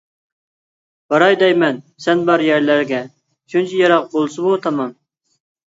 باراي دەيمەن سەن بار يەرلەرگە، شۇنچە يىراق بولسىمۇ تامام.